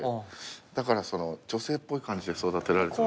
だから女性っぽい感じで育てられた。